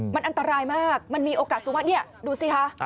มันอันตรายมากมันมีโอกาสดูซิคะ